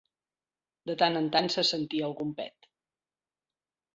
De tant en tant se sentia algun pet.